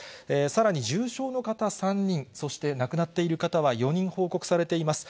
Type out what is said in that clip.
さらに重症の方３人、そして亡くなっている方は４人報告されています。